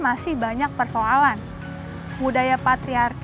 menirtanai festival kitulan arapik